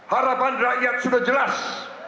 harapan rakyat sudah jelas